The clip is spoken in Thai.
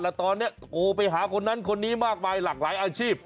แล้วตอนนี้โทรไปหาคนนั้นคนนี้มากมายหลากหลายอาชีพ